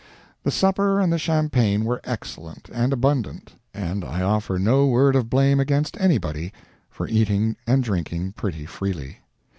The supper and the champagne were excellent and abundant, and I offer no word of blame against anybody for eating and drinking pretty freely.